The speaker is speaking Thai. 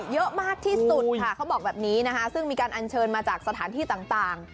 เยอะมากที่สุดมีการอัญเชิญมาจากสถานที่ต่าง